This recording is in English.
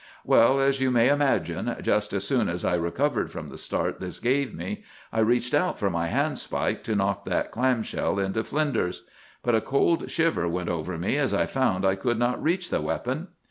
"'Well, as you may imagine, just as soon as I recovered from the start this gave me, I reached out for my handspike to knock that clam shell into flinders. But a cold shiver went over me as I found I could not reach the weapon!